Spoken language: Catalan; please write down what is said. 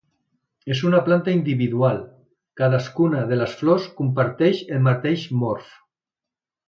En una planta individual, cadascuna de les flors comparteixen el mateix morf.